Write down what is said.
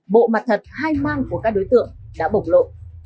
bộ mặt thật hai mang của các đối tượng đã bộc lộ